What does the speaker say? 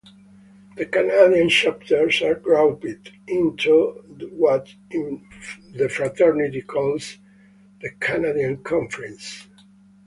The Canadian chapters are grouped into what the fraternity calls "the Canadian conference".